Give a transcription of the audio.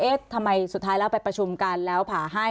ทำไมสุดท้ายแล้วไปประชุมกันแล้วผ่าให้